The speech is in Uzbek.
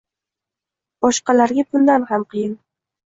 Boshqalarga bundan ham qiyin.